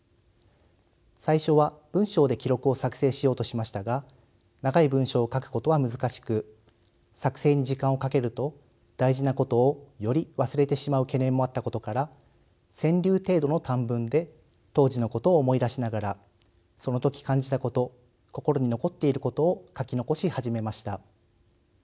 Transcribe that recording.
最初は文章で記録を作成しようとしましたが長い文章を書くことは難しく作成に時間をかけると大事なことをより忘れてしまう懸念もあったことから川柳程度の短文で当時のことを思い出しながらその時感じたこと心に残っていることを書き残し始めました。